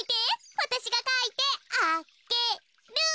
わたしがかいてあげる。